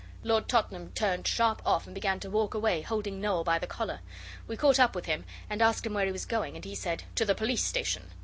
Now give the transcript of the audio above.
Lord Tottenham turned sharp off and began to walk away, holding Noel by the collar. We caught up with him, and asked him where he was going, and he said, 'To the Police Station.